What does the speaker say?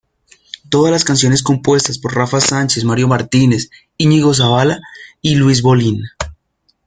Todas las canciones compuestas por Rafa Sánchez, Mario Martínez, Iñigo Zabala y Luis Bolín.